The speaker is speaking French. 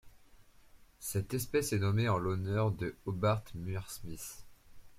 Cette espèce est nommée en l'honneur de Hobart Muir Smith.